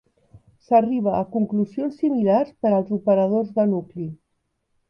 S'arriba a conclusions similars per als operadors de nucli.